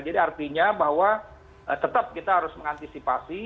jadi artinya bahwa tetap kita harus mengantisipasi